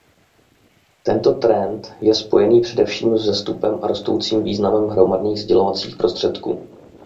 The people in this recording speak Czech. Tento trend je spojený především s vzestupem a rostoucím významem hromadných sdělovacích prostředků.